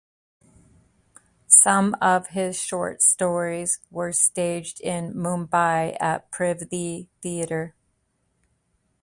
Some of his short stories were staged in Mumbai at Prithvi Theater.